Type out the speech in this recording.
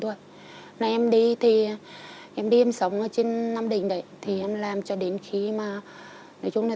một mươi bốn tuổi một mươi bốn tuổi là em đi thì em đi em sống ở trên nam đình đấy thì em làm cho đến khi mà nói chung là